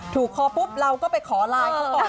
ถูกคอปุ๊บเราก็ไปขอไลน์เขาก่อน